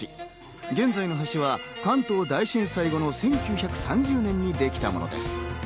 現在の橋は関東大震災後の１９３０年代にできたものです。